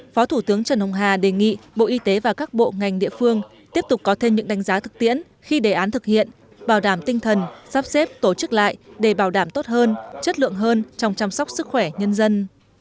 phó thủ tướng trần hồng hà đề nghị bộ y tế và các bộ ngành địa phương tiếp tục có thêm những đánh giá thực tiễn khi đề án thực hiện bảo đảm tinh thần sắp xếp tổ chức lại để bảo đảm tốt hơn chất lượng hơn trong chăm sóc sức khỏe nhân dân